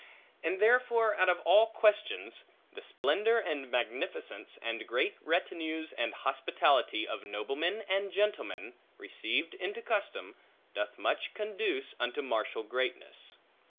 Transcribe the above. And therefore out of all questions, the splendor and magnificence, and great retinues and hospitality, of noblemen and gentlemen, received into custom, doth much conduce unto martial greatness.